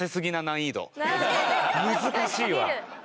難しいわ。